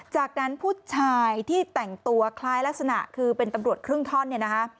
จากนั้นผู้ชายที่แต่งตัวคล้ายลักษณะคือเป็นตำรวจครึ่งท่อนเนี่ยนะคะ